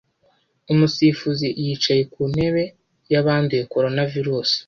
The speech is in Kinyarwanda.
Umusifuzi yicaye ku ntebe yabanduye Coronavirusi.